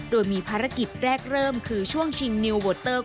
โดยมีภารกิจแรกเริ่มคือช่วงชิงนิวเวอร์เตอร์